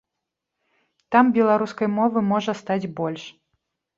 Там беларускай мовы можа стаць больш.